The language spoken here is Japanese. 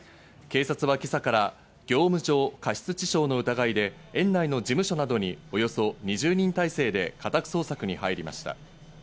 警察は今朝から業務上過失致傷の疑いで、園内の事務所などにおよそ２０人体制で家宅捜索に入りました。